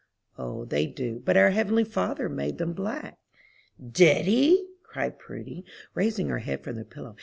"O, they do, but our Heavenly Father made them black." "Did he?" cried Prudy, raising her head from the pillow.